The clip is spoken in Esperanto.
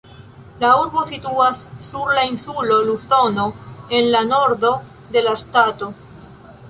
La urbo situas sur la insulo Luzono, en la nordo de la ŝtato.